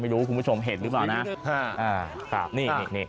ไม่รู้คุณผู้ชมเห็นหรือเปล่านะ